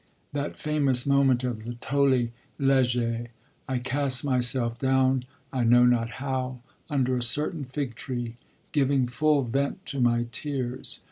That famous moment of the Tolle, lege: 'I cast myself down I know not how, under a certain fig tree, giving full vent to my tears